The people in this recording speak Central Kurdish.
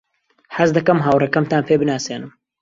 حەز دەکەم هاوڕێکەمتان پێ بناسێنم.